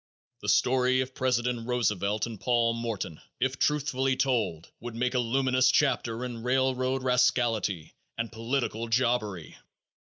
The story of President Roosevelt and Paul Morton, if truthfully told, would make a luminous chapter in railroad rascality and political jobbery.